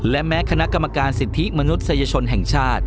และแม้คณะกรรมการสิทธิมนุษยชนแห่งชาติ